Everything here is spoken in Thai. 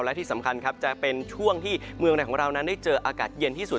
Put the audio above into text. และที่สำคัญครับจะเป็นช่วงที่เมืองในของเรานั้นได้เจออากาศเย็นที่สุด